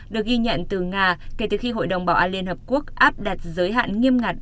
được ghi nhận từ nga kể từ khi hội đồng bảo an liên hợp quốc áp đặt giới hạn nghiêm ngặt